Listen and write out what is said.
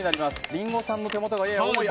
リンゴさんの手元がやや多い。